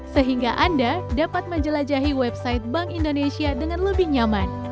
sehingga anda dapat menjelajahi website bank indonesia dengan lebih nyaman